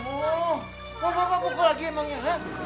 mau bapak pukul lagi emangnya